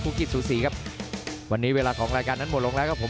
กิจสูสีครับวันนี้เวลาของรายการนั้นหมดลงแล้วครับผม